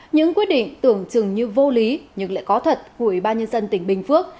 những quyết định tưởng chừng như vô lý nhưng lại có thật của ủy ban nhân dân tỉnh bình phước